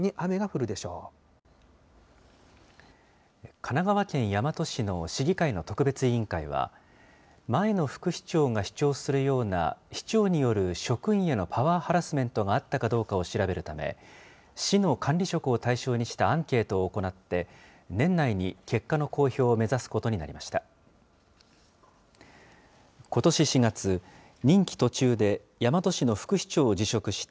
神奈川県大和市の市議会の特別委員会は、前の副市長が主張するような市長による職員へのパワーハラスメントがあったかどうかを調べるため、市の管理職を対象にしたアンケートを行って、年内に結果の公表を目指すことになりました。